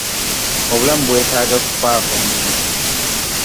obulamu bwetaaga kufaako nnyo.